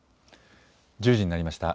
１０時になりました。